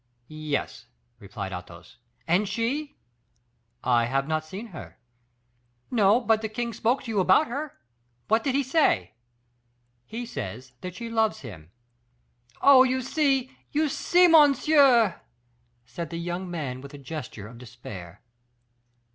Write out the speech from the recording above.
"Yes," replied Athos. "And she?" "I have not seen her." "No; but the king spoke to you about her. What did he say?" "He says that she loves him." "Oh, you see you see, monsieur!" said the young man, with a gesture of despair.